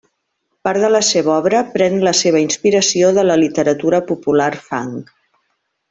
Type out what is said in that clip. Part de la seva obra pren la seva inspiració de la literatura popular fang.